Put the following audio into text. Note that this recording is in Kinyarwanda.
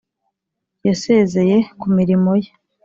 yasezeye ku mirimo ye